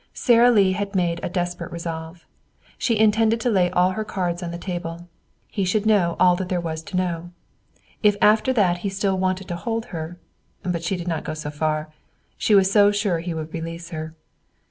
Sara Lee had made a desperate resolve. She intended to lay all her cards on the table. He should know all that there was to know. If, after that, he still wanted to hold her but she did not go so far. She was so sure he would release her.